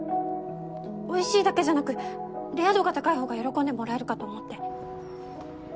おいしいだけじゃなくレア度が高い方が喜んでもらえるかと思って。